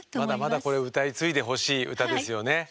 まだまだこれ歌い継いでほしい歌ですよね。